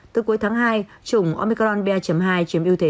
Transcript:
từ cuối tháng hai chủng omicron ba hai chiếm ưu thế